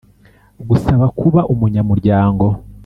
Gusaba kuba umunyamuryango